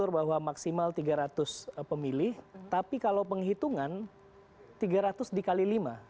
bahwa maksimal tiga ratus pemilih tapi kalau penghitungan tiga ratus dikali lima